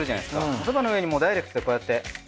おそばの上にダイレクトでこうやって。